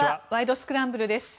スクランブル」です。